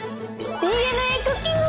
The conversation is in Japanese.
ＤＮＡ クッキング